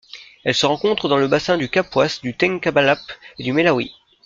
Elle se rencontre dans le bassin du Kapuas, du Tengkalap et du Melawi.